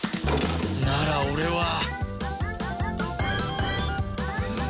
なら俺は！